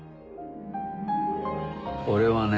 俺はね。